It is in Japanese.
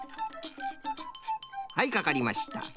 はいかかりました。